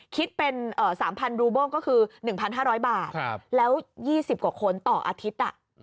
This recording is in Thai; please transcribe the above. คิดเป็น๓๐๐๐รูโบ้งก็คือ๑๕๐๐บาทแล้ว๒๐กว่าคนต่ออาทิตย์